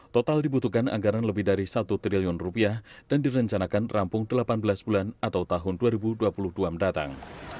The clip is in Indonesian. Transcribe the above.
total dibutuhkan anggaran lebih dari satu triliun rupiah dan direncanakan rampung delapan belas bulan atau tahun dua ribu dua puluh dua mendatang